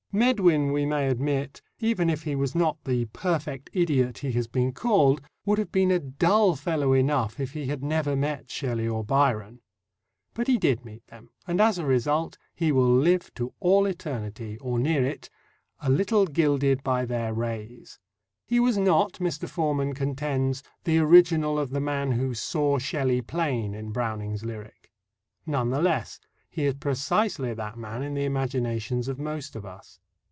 Medwin, we may admit, even if he was not the "perfect idiot" he has been called, would have been a dull fellow enough if he had never met Shelley or Byron. But he did meet them, and as a result he will live to all eternity, or near it, a little gilded by their rays. He was not, Mr. Forman contends, the original of the man who "saw Shelley plain" in Browning's lyric. None the less, he is precisely that man in the imaginations of most of us.